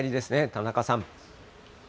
田中さん。